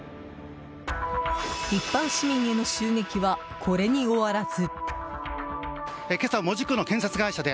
一般市民への襲撃はこれに終わらず。